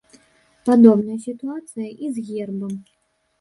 Падобная сітуацыя і з гербам.